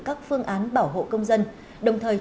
các phương án bảo hộ công dân đồng thời